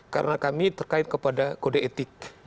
karena kami terkait kepada kode etik